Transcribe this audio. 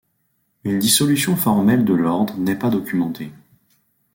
Une dissolution formelle de l'ordre n'est pas documentée.